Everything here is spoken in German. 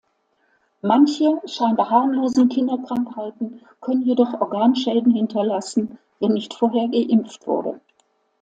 Manche scheinbar harmlosen Kinderkrankheiten können jedoch Organschäden hinterlassen, wenn nicht vorher geimpft wurde.